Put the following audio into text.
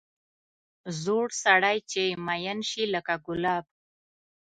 زوړ سړی چې مېن شي لکه ګلاب.